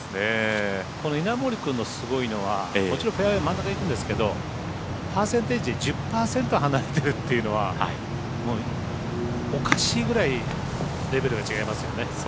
この稲森君のすごいのはもちろんフェアウエー真ん中いくんですけどパーセンテージ１０％離れてるというのはもうおかしいぐらいレベルが違いますよね。